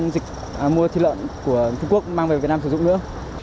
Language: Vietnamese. dịch mua thịt lợn của trung quốc mang về việt nam sử dụng nữa